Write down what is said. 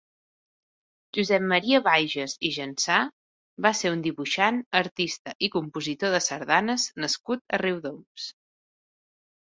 Josep Maria Baiges i Jansà va ser un dibuixant, artista i compositor de sardanes nascut a Riudoms.